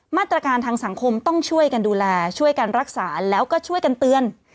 มาตรการทางสังคมต้องช่วยกันดูแลช่วยกันรักษาแล้วก็ช่วยกันเตือน